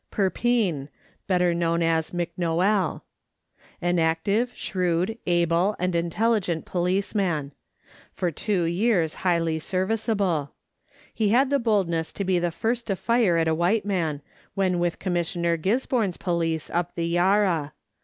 Perpine (better known as McNoel). An active, shrewd, able, and intelligent policeman; for two years highly serviceable. He had the boldness to be the first to fire at a white man, when with Commissioner Gisborne's police up the Yarra.